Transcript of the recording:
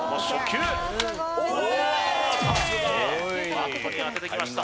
バットに当ててきました